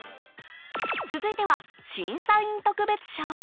続いては審査員特別賞。